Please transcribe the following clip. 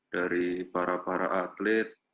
dari para para atlet